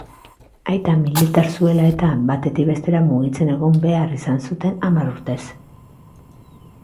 Aita militar zuela eta, batetik bestera mugitzen egon behar izan zuten hamar urtez.